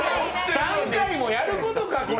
３回もやることか、これ。